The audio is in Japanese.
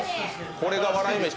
これが笑い飯。